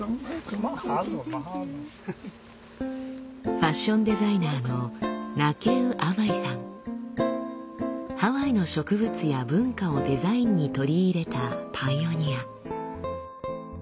ファッションデザイナーのハワイの植物や文化をデザインに取り入れたパイオニア。